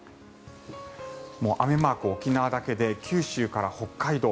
雨マーク、沖縄だけで九州から北海道